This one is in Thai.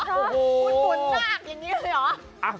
บุญหน้ากอย่างนี้เลยเหรอ